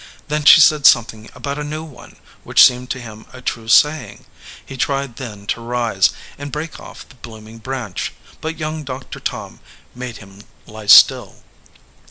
Then she said something about a new one, which seemed to him a true saying. He tried then to rise, and break off the blooming branch, but young Doctor Tom made him lie still.